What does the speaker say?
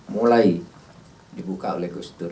mulai dibuka oleh gus dur